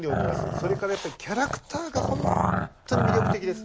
それからやっぱりキャラクターがほんとに魅力的です。